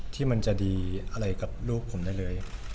ที่มันจะดีอะไรกับลูกผมได้เลย